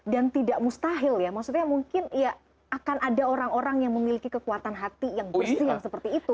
dan tidak mustahil ya maksudnya mungkin ya akan ada orang orang yang memiliki kekuatan hati yang bersih yang seperti itu